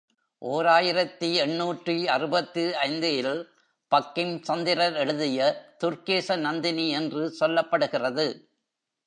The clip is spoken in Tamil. ஓர் ஆயிரத்து எண்ணூற்று அறுபத்தைந்து இல் பங்கிம்சந்திரர் எழுதிய துர்கேச நந்தினி என்று சொல்லப்படுகிறது.